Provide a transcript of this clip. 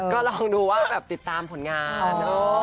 ก็ลองดูว่าหรือว่าก็ติดตามผลงาน